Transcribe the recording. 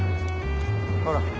ほら。